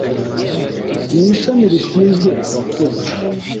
mu ishami rishinzwe abakozi